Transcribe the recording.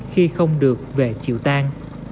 khi không được về chịu tan